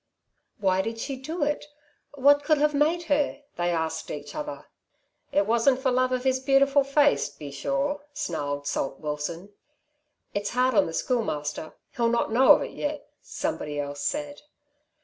"Why did she do it? What could have made her," they asked each other. "It wasn't for love of his beautiful face, be sure," snarled Salt Watson. "It's hard on the Schoolmaster. He'll not know of it yet," somebody else said.